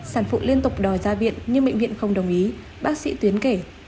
sản phụ liên tục đòi ra viện nhưng bệnh viện không đồng ý bác sĩ tuyến kể